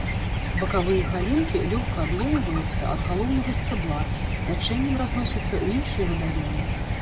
Бакавыя галінкі лёгка адломваюцца ад галоўнага сцябла і цячэннем разносяцца ў іншыя вадаёмы.